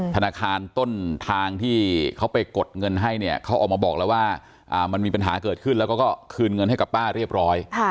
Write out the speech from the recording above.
ธนาคารต้นทางที่เขาไปกดเงินให้เนี่ยเขาออกมาบอกแล้วว่ามันมีปัญหาเกิดขึ้นแล้วก็คืนเงินให้กับป้าเรียบร้อย